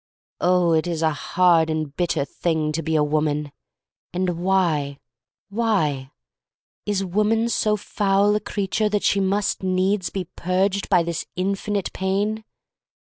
Oh, it is a hard and bitter thing to be a woman! And why — why? Is woman so foul a creature that she must needs be purged by this infinite pain?